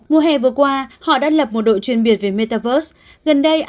mùa hè vừa qua họ đã lập một đội chuyên biệt về metaverse